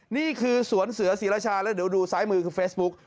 นี่คือสวนเสือศรีราชาแล้วเดี๋ยวดูซ้ายมือคือเฟซบุ๊ก